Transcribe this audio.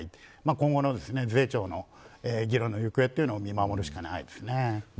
今後の税調の議論の行方というのは見守るしかないですね。